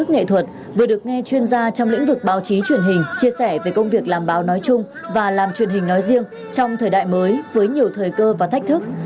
nghe chuyên gia trong lĩnh vực báo chí truyền hình chia sẻ về công việc làm báo nói chung và làm truyền hình nói riêng trong thời đại mới với nhiều thời cơ và thách thức